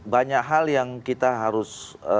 banyak hal yang kita harus